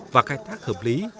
và khai thác hợp lý